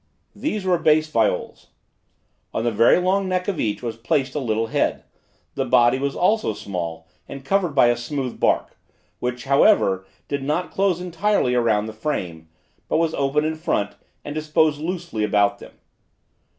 These were bass viols. On the very long neck of each was placed a little head; the body was also small, and covered by a smooth bark, which, however, did not close entirely around the frame, but was open in front and disposed loosely about them.